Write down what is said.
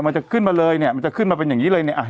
มันจะขึ้นมาเลยเนี่ยมันจะขึ้นมาเป็นอย่างนี้เลยเนี่ย